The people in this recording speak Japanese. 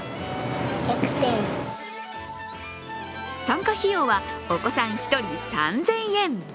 参加費用はお子さん１人３０００円。